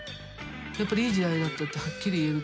やっぱりいい時代だったってはっきり言えると思いますね。